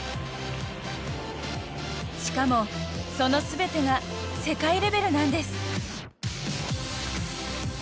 しかも、その全てが世界レベルなんです。